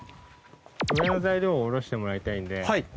上の材料を下ろしてもらいたいので。